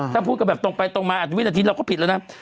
ถ้าพูดกันแบบตรงไปตรงมาอาจจะวินาทีเราก็ผิดแล้วนะ